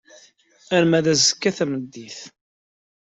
Arma d azekka tameddit.